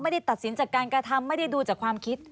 ตัดสินจากการกระทำไม่ได้ดูจากความคิด